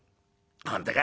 『本当か？